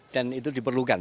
dan itu diperluankan